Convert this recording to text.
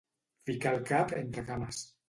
Ficar el cap entre cames.